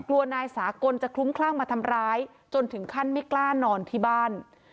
กลัวนายสากลจะคลุ้มคลั่งมาทำร้ายจนถึงขั้นไม่กล้านอนที่บ้าน